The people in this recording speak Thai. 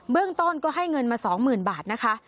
เรื่องต้นก็ให้เงินมา๒๐๐๐บาทนะคะ